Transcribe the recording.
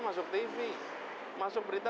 masuk tv masuk berita